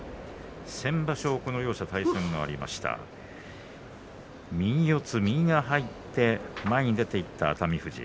先場所の対戦が右四つ右が入って前に出ていった熱海富士。